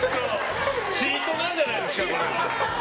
チートなんじゃないですか。